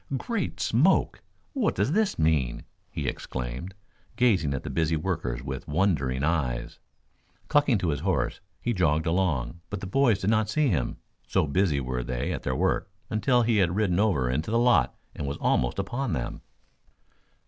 "Great Smoke! What does this mean?" he exclaimed, gazing at the busy workers with wondering eyes. Clucking to his horse he jogged along, but the boys did not see him, so busy were they at their work, until he had ridden over into the lot and was almost upon them.